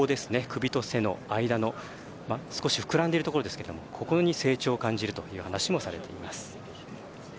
首と背の間、膨らんでいるところここに成長を感じるという話をされています。